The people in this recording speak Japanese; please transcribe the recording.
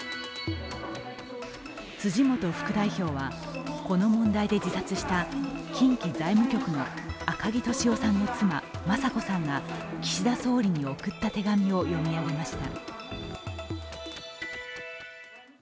辻本副代表はこの問題で自殺した近畿財務局の赤木俊夫さんの妻・雅子さんが岸田総理に送った手紙を読み上げました。